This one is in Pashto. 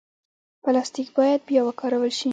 پلاستيک باید بیا وکارول شي.